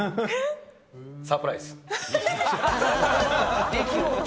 サプライズ。